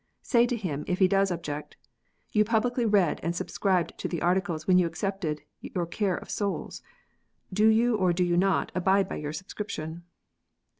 Say to him, if he does object, " You publicly read and subscribed to the Articles when you accepted your cure of souls. Do you or do you not abide by your subscription